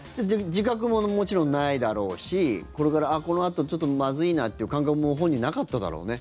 自覚ももちろんないだろうしこれから、このあとちょっとまずいなという感覚も本人、なかっただろうね。